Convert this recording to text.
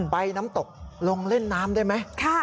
ไปน้ำตกลงเล่นน้ำได้ไหม